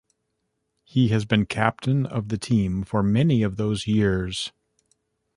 He has been captain of the team for many of those years.